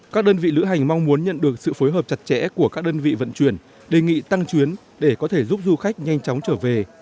các đơn vị lữ hành mong muốn nhận được sự phối hợp chặt chẽ của các đơn vị vận chuyển đề nghị tăng chuyến để có thể giúp du khách nhanh chóng trở về